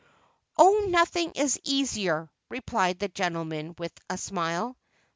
"Oh, nothing is easier," replied the gentleman, with a smile.